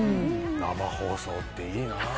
生放送っていいな。